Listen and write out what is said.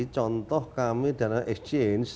contoh kami dana exchange